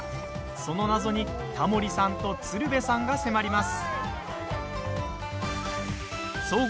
その謎にタモリさんと鶴瓶さんが迫ります。